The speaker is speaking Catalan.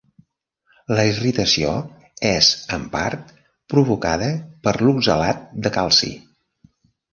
La irritació és, en part, provocada per oxalat de calci.